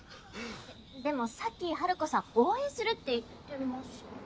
ででもさっきハルコさん応援するって言ってましたけど。